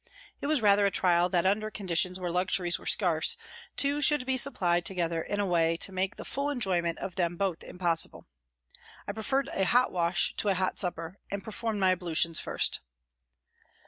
It was rather a trial that under conditions where luxuries were scarce, two should be supplied together in a way to make the full enjoyment of them both impossible. I preferred a hot wash to a hot supper and performed my ablutions first.